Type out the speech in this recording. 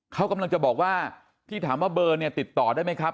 เขากำลังจะบอกว่าที่ถามว่าเบอร์เนี่ยติดต่อได้ไหมครับ